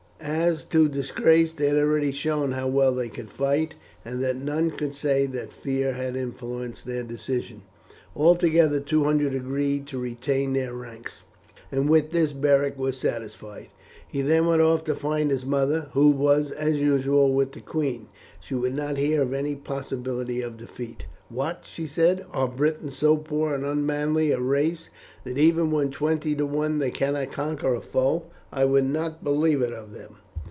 As to disgrace, they had already shown how well they could fight, and that none could say that fear had influenced their decision. Altogether two hundred agreed to retain their ranks, and with this Beric was satisfied. He then went off to find his mother, who was as usual with the queen. She would not hear of any possibility of defeat. "What!" she said. "Are Britons so poor and unmanly a race, that even when twenty to one they cannot conquer a foe? I would not believe it of them."